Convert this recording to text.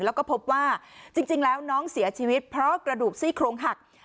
แล้วก็พบว่าจริงแล้วน้องเสียชีวิตเพราะกระดูกซี่โครงหัก